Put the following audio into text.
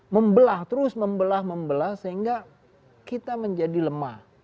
membelah terus membelah membelah sehingga kita menjadi lemah